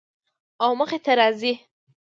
او مخې ته راځي